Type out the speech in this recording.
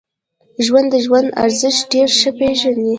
ژوندي د ژوند ارزښت ډېر ښه پېژني